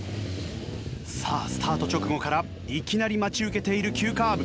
さあスタート直後からいきなり待ち受けている急カーブ。